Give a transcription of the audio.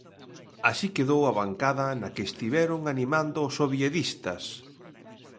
Así quedou a bancada na que estiveron animando os oviedistas.